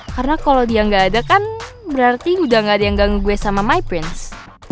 karena kalo dia gak ada kan berarti udah gak ada yang ganggu gue sama my prince